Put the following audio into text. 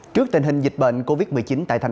trước tình hình dịch bệnh covid một mươi chín tại tp hcm